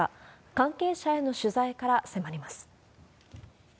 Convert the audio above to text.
関係者への取材から迫ります。